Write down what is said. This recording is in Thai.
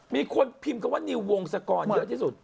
มีคนพิมพ์คำว่านิววงศกรเยอะที่สุด